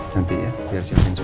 nanti ya biar siapin semuanya